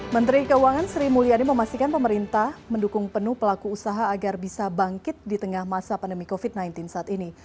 menteri keuangan sri mulyani memastikan pemerintah mendukung penuh pelaku usaha agar bisa bangkit di tengah masa pandemi covid sembilan belas saat ini